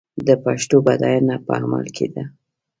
د پښتو بډاینه په عمل کې ده.